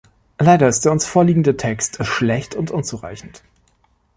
Leider ist der uns vorliegende Text schlecht und unzureichend.